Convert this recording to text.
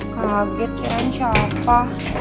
kaget kirain siapa